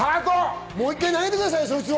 もう１回投げてください、そいつを。